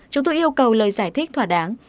chúng tôi yêu cầu lời giải thích thỏa đáng